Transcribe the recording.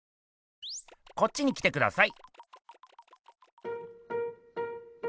こっちに来てください。